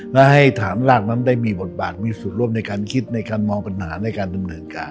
และให้ฐานรากนั้นได้มีบทบาทมีส่วนร่วมในการคิดในการมองปัญหาในการดำเนินการ